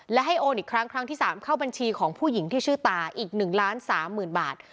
และให้โอนอีกครั้งครั้งที่๓เข้าบัญชีของผู้หญิงที่ชื่อตาอีก๑ล้าน๓๐๐๐บาท